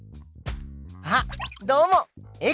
あっどうもです。